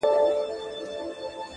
زما د هر شعر نه د هري پيغلي بد راځي _